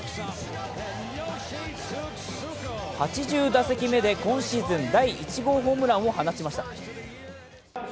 ８０打席目で今シーズン第１号ホームランを放ちました。